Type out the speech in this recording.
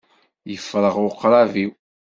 Yefreɣ ugrab-iw.